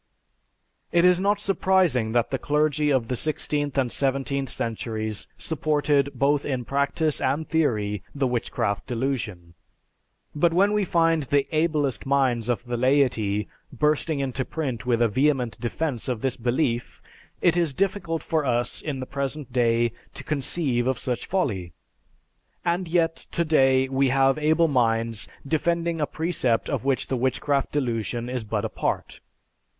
It is not surprising that the clergy of the sixteenth and seventeenth centuries supported both in practice and theory the Witchcraft Delusion, but when we find the ablest minds of the laity bursting into print with a vehement defense of this belief, it is difficult for us, in the present day, to conceive of such folly. And yet, today, we have able minds defending a precept of which the Witchcraft Delusion is but a part.